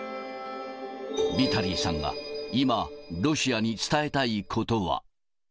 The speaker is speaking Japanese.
ビタリーさんは、今、ロシアに伝えたいことは。